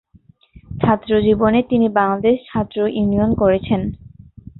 ছাত্রজীবনে তিনি বাংলাদেশ ছাত্র ইউনিয়ন করেছেন।